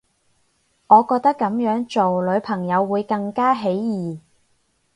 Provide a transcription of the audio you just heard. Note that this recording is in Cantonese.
我覺得噉樣做女朋友會更加起疑